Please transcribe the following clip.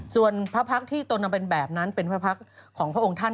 ส่วนพระพักษ์ที่ตนนำเป็นแบบนั้นเป็นพระพักษ์ของพระองค์ท่าน